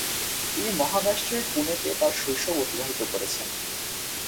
তিনি মহারাষ্ট্রের পুনেতে তার শৈশব অতিবাহিত করেছেন।